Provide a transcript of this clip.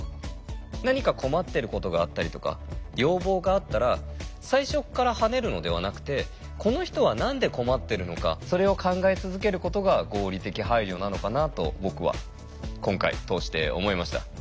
何か困ってることがあったりとか要望があったら最初っからはねるのではなくてこの人は何で困ってるのかそれを考え続けることが合理的配慮なのかなと僕は今回通して思いました。